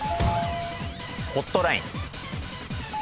ホットライン。